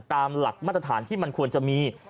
ตามหลักมาตรฐานที่มันควรจะมี